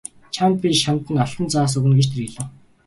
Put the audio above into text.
Чамд би шанд нь алтан зоос өгнө гэж тэр хэлэв.